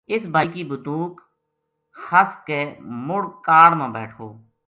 اِس بھائی کی بندوق خس کے مُڑ کاڑ ما بیٹھو